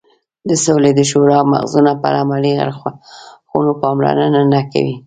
د سولې د شورا مغزونه پر عملي اړخونو پاملرنه نه کوي.